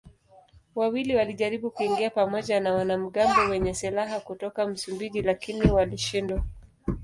Wawili walijaribu kuingia pamoja na wanamgambo wenye silaha kutoka Msumbiji lakini walishindwa.